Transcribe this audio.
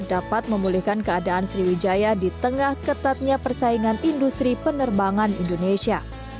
dapat memulihkan keadaan sriwijaya di tengah ketatnya persaingan industri penerbangan indonesia